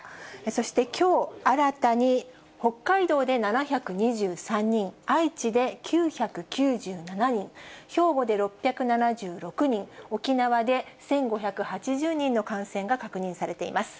そしてきょう新たに北海道で７２３人、愛知で９９７人、兵庫で６７６人、沖縄で１５８０人の感染が確認されています。